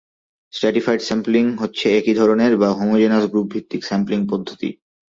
Stratified sampling হচ্ছে একই ধরনের বা হোমোজেনাস গ্রুপ ভিত্তিক স্যাম্পলিংপদ্ধতি।